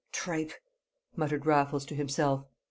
"Tripe!" muttered Raffles to himself.